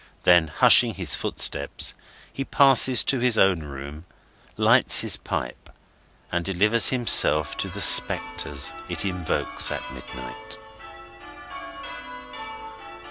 Then, hushing his footsteps, he passes to his own room, lights his pipe, and delivers himself to the Spectres it invokes at midnight.